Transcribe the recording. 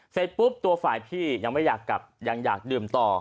เสร็จปุ๊บตัวฝ่ายพี่ยังไม่อยากกลับยังอยากดื่มต่อ